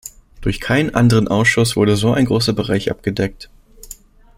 Durch keinen anderen Ausschuss wurde ein so großer Bereich abgedeckt.